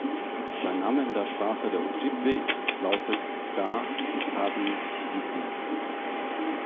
Sein Name in der Sprache der Ojibwe lautet "Gaa-biitawi-ziibi".